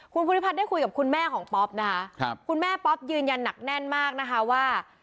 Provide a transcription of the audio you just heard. คุณภูริพัฒน์ได้คุยกับคุณแม่ของป๊อปนะคะคุณแม่ป๊อปยืนยันหนักแน่นมากนะคะว่า